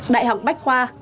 đại học bách khoa